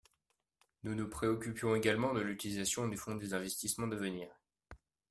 Nous nous préoccupions également de l’utilisation des fonds des investissements d’avenir.